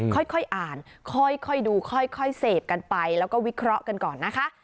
ค่อยอ่านค่อยดูค่อยเสพกันไปแล้วก็วิเคราะห์กันก่อนนะคะ